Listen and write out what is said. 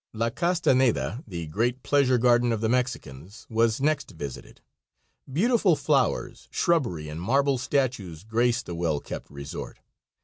La Castaneda, the great pleasure garden of the Mexicans, was next visited. Beautiful flowers, shrubbery and marble statues grace the well kept resort.